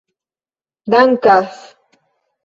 dankas